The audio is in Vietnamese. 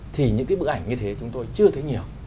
thì những cái bức ảnh như thế chúng tôi chưa thấy nhiều